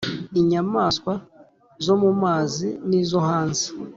inyamaswa zo mu mazi nizo hanze.